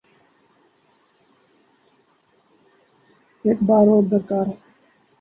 ایک بات اور درکار ہے۔